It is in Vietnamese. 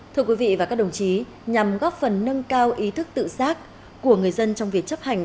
thưa quý vị và các đồng chí nhằm góp phần nâng cao ý thức tự giác của người dân trong việc chấp hành